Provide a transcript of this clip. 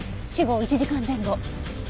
死後１時間前後。